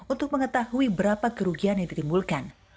untuk mengetahui berapa kerugian yang ditimbulkan